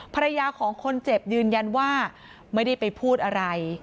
ภรรยาของคนเจ็บยืนยันว่าไม่ได้ไปพูดอะไร